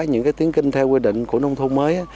những tuyến kênh theo quy định của nông thôn mới